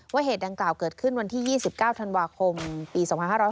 เหตุดังกล่าวเกิดขึ้นวันที่๒๙ธันวาคมปี๒๕๕๙